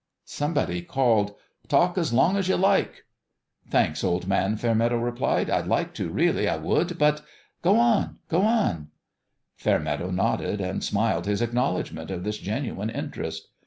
Somebody called " Talk as long as you like 1 "" Thanks, old man," Fairmeadow replied. " I'd like to. Really, I would. But "" Go on ! Go on !" Fairmeadow nodded and smiled his acknowl edgment of this genuine interest.